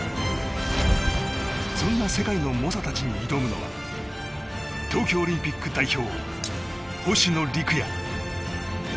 そんな世界の猛者たちに挑むのは東京オリンピック代表星野陸也。